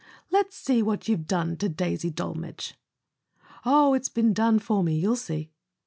" Let's see what you've done to Daisy Dol metsch." "Oh, it's been done for me—you'll see!"